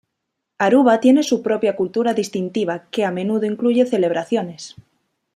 Aruba tiene su propia cultura distintiva, que a menudo incluye celebraciones.